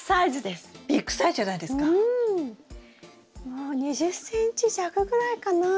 もう２０ｃｍ弱ぐらいかな？